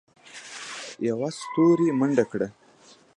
یوه ستوري منډه کړه.